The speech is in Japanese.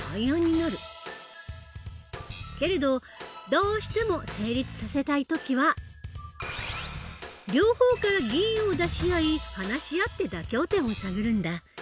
けれどどうしても成立させたい時は両方から議員を出し合い話し合って妥協点を探るんだ。